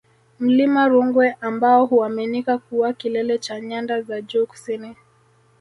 Mlima Rungwe ambao huaminika kuwa kilele cha Nyanda za Juu Kusini